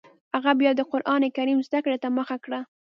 هغه بیا د قران کریم زده کړې ته مخه کړه